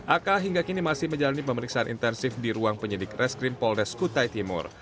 aka hingga kini masih menjalani pemeriksaan intensif di ruang penyidik reskrim polres kutai timur